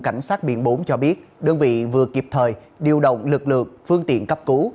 cảnh sát biển bốn cho biết đơn vị vừa kịp thời điều động lực lượng phương tiện cấp cứu